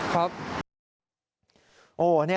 จับโตได้